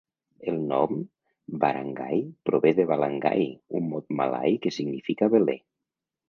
El nom "barangay" prové de "balangay", un mot malai que significa "veler".